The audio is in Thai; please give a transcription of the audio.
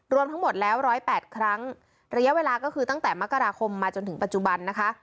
รวมทั้งหมดแล้ว๑๐๘ครั้งระยะเวลาก็คือตั้งแต่มกราคมมาจนถึงปัจจุบันนะคะ